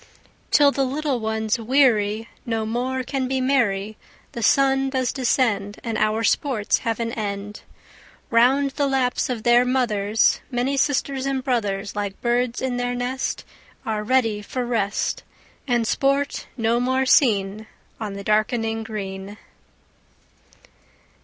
Till the little ones, weary, No more can be merry: The sun does descend, And our sports have an end. Round the laps of their mothers Many sisters and brothers, Like birds in their nest, Are ready for rest, And sport no more seen On the darkening green.